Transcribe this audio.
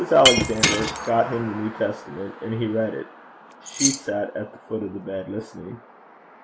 Alexander got him the New Testament, and he read it. She sat at the foot of the bed listening.